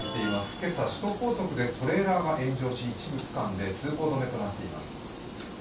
今朝、首都高速でトレーラーが炎上し一部区間で通行止めとなっています。